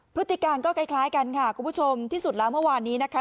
พฤติการก็คล้ายกันค่ะคุณผู้ชมที่สุดแล้วเมื่อวานนี้นะคะ